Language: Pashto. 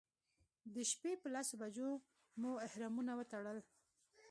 د شپې په لسو بجو مو احرامونه وتړل.